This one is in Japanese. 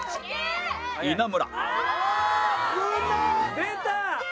出た！